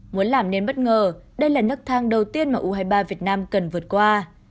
muốn làm nên bất ngờ đây là nức thang đầu tiên mà u hai mươi ba việt nam cần vượt qua